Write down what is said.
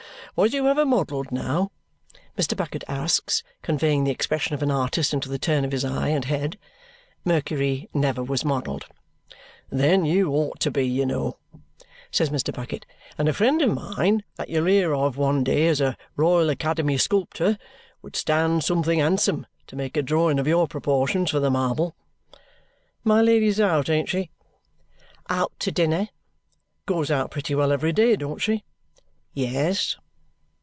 Was you ever modelled now?" Mr. Bucket asks, conveying the expression of an artist into the turn of his eye and head. Mercury never was modelled. "Then you ought to be, you know," says Mr. Bucket; "and a friend of mine that you'll hear of one day as a Royal Academy sculptor would stand something handsome to make a drawing of your proportions for the marble. My Lady's out, ain't she?" "Out to dinner." "Goes out pretty well every day, don't she?" "Yes."